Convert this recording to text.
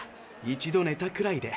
一度ねたくらいで。